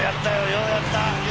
ようやった！